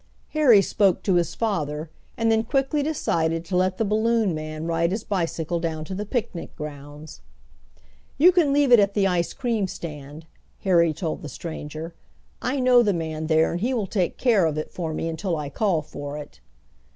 Harry spoke to his father, and then quickly decided to let the balloon man ride his bicycle down to the picnic grounds. "You can leave it at the ice cream stand," Harry told the stranger. "I know the man there, and he will take care of it for me until I call for it."